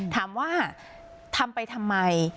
ถามว่าทำไปทำไม